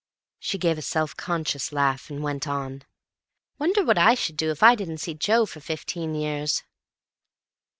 She gave a self conscious laugh and went on, "Wonder what I should do if I didn't see Joe for fifteen years."